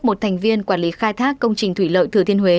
một thành viên quản lý khai thác công trình thủy lợi thừa thiên huế